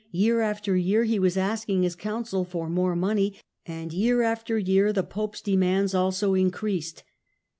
Year after year he was asking his council for more money, and year after year the pope's demands also increased.